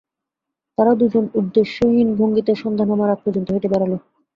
তারা দু জন উদ্দেশ্যহীন ভঙ্গিতে সন্ধ্যা নামার আগ পর্যন্ত হেঁটে বেড়াল।